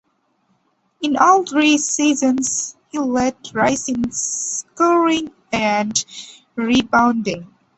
In all three seasons he led Rice in scoring and rebounding.